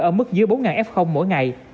ở mức dưới bốn f mỗi ngày